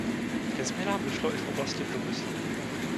Ke změnám došlo i v oblasti průmyslu.